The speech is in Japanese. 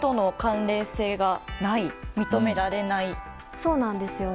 そうなんですよね。